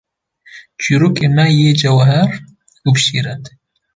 Çîrokên me yê cewher û bi şîret.